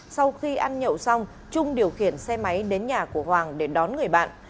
sau khi ăn nhậu xong trung điều khiển xe máy đến nhà của hoàng để đón người bạn